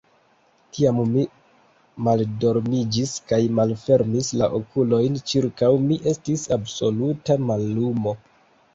Kiam mi maldormiĝis kaj malfermis la okulojn, ĉirkaŭ mi estis absoluta mallumo.